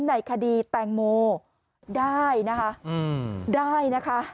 ในคดีแตงโมได้นะคะ